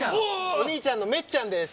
お兄ちゃんのめっちゃんです。